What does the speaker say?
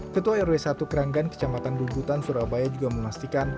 ketua rw satu keranggan kecamatan bubutan surabaya juga memastikan